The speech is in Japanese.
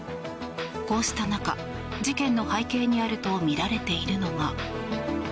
こうした中、事件の背景にあるとみられているのが。